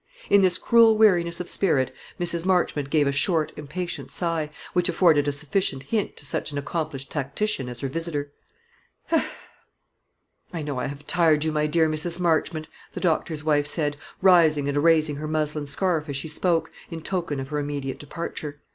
In this cruel weariness of spirit Mrs. Marchmont gave a short impatient sigh, which afforded a sufficient hint to such an accomplished tactician as her visitor. "I know I have tired you, my dear Mrs. Marchmont," the doctor's wife said, rising and arranging her muslin scarf as she spoke, in token of her immediate departure.